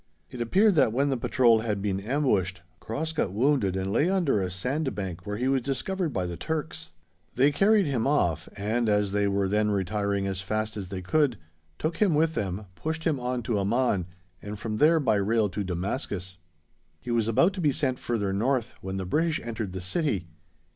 It appeared that when the patrol had been ambushed, Cross got wounded and lay under a sandbank where he was discovered by the Turks; they carried him off, and, as they were then retiring as fast as they could, took him with them, pushed him on to Amman, and from there by rail to Damascus. He was about to be sent further north when the British entered the city.